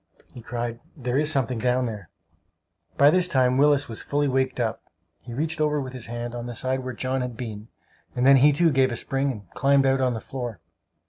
he cried. "There is something down there." By this time Willis was fully waked up. He reached over with his hand, on the side where John had been, and then he, too, gave a spring and climbed out on the floor!